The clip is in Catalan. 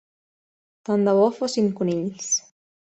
Tant de bo fossin conills.